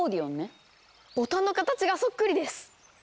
ボタンの形がそっくりです！